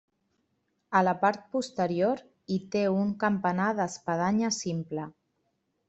A la part posterior, hi té un campanar d'espadanya simple.